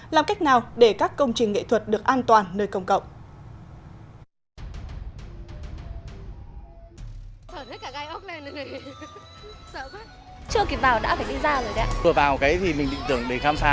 làm cách nào để các công trình nghệ thuật được an toàn nơi công cộng